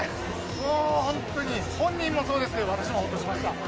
もう本当に、本人もそうですけど、私もほっとしました。